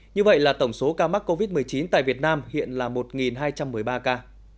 như vậy là tổng số ca mắc covid một mươi chín tại việt nam hiện là một hai trăm một mươi ba ca